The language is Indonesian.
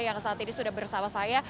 yang saat ini sudah bersama saya